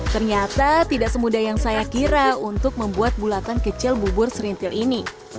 ternyata tidak semudah yang saya kira untuk membuat bulatan kecil bubur serintil ini